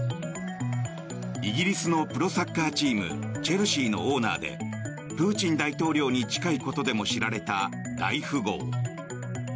イギリスのプロサッカーチームチェルシーのオーナーでプーチン大統領に近いことでも知られた大富豪。